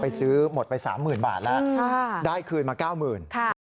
ซื้อหมดไป๓๐๐๐บาทแล้วได้คืนมา๙๐๐บาท